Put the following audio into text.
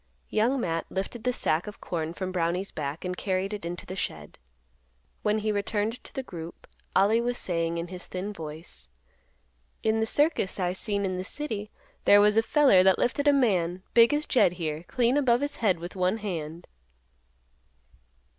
Young Matt lifted the sack of corn from Brownie's back and carried it into the shed. When he returned to the group, Ollie was saying in his thin voice, "In th' circus I seen in the city there was a feller that lifted a man, big as Jed here, clean above his head with one hand."